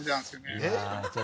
えっ？